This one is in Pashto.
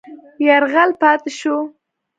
یرغل پاتې شو.